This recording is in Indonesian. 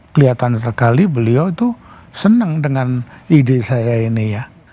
kelihatan sekali beliau itu senang dengan ide saya ini ya